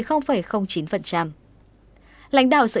lãnh đạo sở y tế hà nội